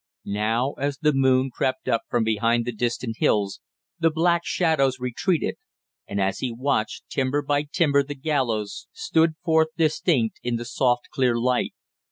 Now, as the moon crept up from behind the distant hills, the black shadows retreated, and as he watched, timber by timber the gallows stood forth distinct in the soft clear light.